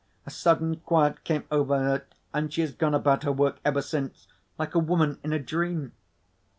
A sudden quiet came over her, and she has gone about her work, ever since, like a woman in a dream."